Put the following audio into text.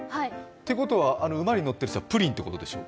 てことは、馬に乗ってる人はプリンってことでしょ？